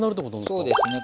そうですね。